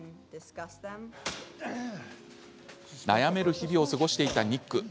悩める日々を過ごしていたニック。